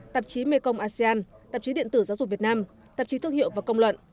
tạp chí mekong asean tạp chí điện tử giáo dục việt nam tạp chí thương hiệu và công luận